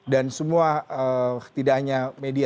dan semua tidak hanya media